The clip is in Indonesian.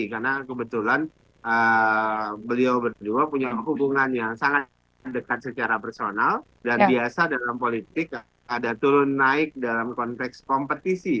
karena kebetulan beliau berdua punya hubungan yang sangat dekat secara personal dan biasa dalam politik ada turun naik dalam konteks kompetisi